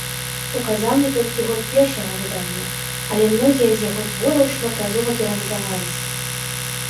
Указаны толькі год першага выдання, але многія з яго твораў шматразова перавыдаваліся.